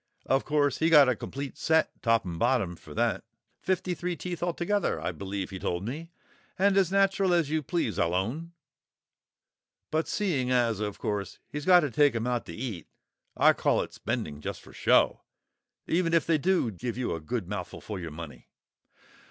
Of course, he got a complete set top and bottom for that, fifty three teeth altogether I believe he told me, and as natural as you please, I'll own. But seeing as of course he's got to take 'em out to eat, I call it spending just for show, even if they do give you a good mouthful for your money."